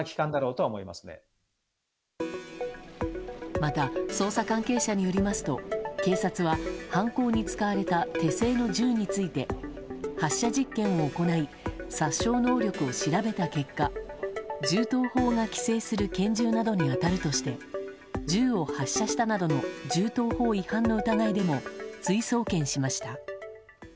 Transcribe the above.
また、捜査関係者によりますと警察は犯行に使われた手製の銃について発射実験を行い殺傷能力を調べた結果銃刀法が規制する拳銃などに当たるとして銃を発射したなどの銃刀法違反の疑いでも追送検しました。